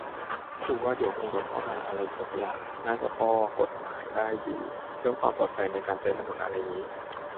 กูว่าเดี๋ยวคงโดนข้อหาอะไรสักอย่าง น่าจะหาข้อกฎหมายได้อยู่ เรื่องความปลอดภัยในการใช้ถนนอะไรงี้